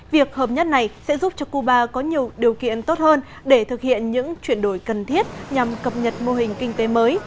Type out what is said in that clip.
việc hợp nhất này sẽ giúp cho cuba có nhiều điều kiện tốt hơn để thực hiện những chuyển đổi cần thiết nhằm cập nhật mô hình kinh tế mới